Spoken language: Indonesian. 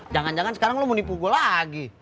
jangan jangan sekarang lu mau nipu gue lagi